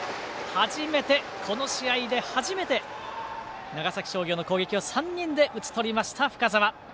この試合で初めて長崎商業の攻撃を３人で打ち取りました、深沢。